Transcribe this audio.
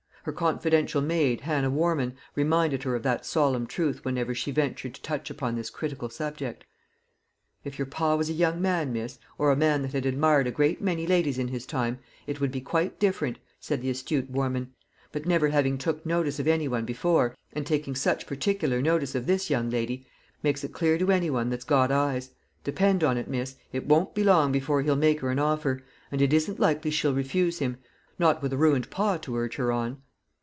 Her confidential maid, Hannah Warman, reminded her of that solemn truth whenever she ventured to touch upon this critical subject. "If your pa was a young man, miss, or a man that had admired a great many ladies in his time, it would be quite different," said the astute Warman; "but never having took notice of any one before, and taking such particular notice of this young lady, makes it clear to any one that's got eyes. Depend upon it, miss, it won't be long before he'll make her an offer; and it isn't likely she'll refuse him not with a ruined pa to urge her on!"